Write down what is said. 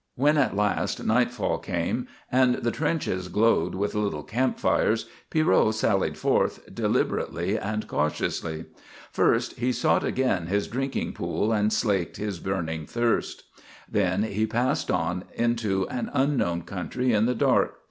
When at last nightfall came and the trenches glowed with little campfires, Pierrot sallied forth, deliberately and cautiously. First, he sought again his drinking pool and slaked his burning thirst. Then he passed on into an unknown country in the dark.